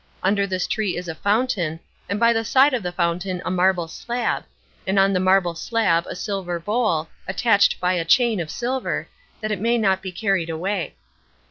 Under this tree is a fountain, and by the side of the fountain a marble slab, and on the marble slab a silver bowl, attached by a chain of silver, that it may not be carried away.